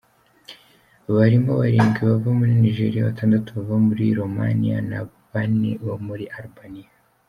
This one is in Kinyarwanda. Barimo barindwi bava muri Nigeria, batandatu bava muri Roumania na bane bo muri Albania.